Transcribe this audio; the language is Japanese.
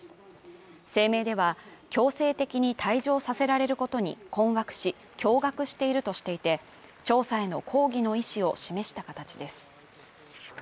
声明では強制的に退場させられることに困惑し驚がくしているとしていて調査への抗議の意思を示した形です。